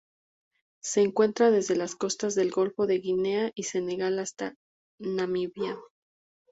Se encuentra desde las costas del Golfo de Guinea y Senegal hasta Namibia.